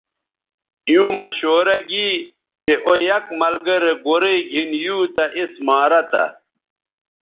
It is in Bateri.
ایووں مشورہ گی چہء او یک ملگرے گورئ گِھن یُو تہ اس مارہ تھہ